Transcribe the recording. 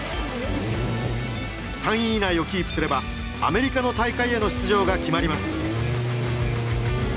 ３位以内をキープすればアメリカの大会への出場が決まります。